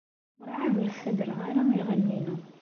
Werɛad ur ssadreɣ ara iɣallen-inu.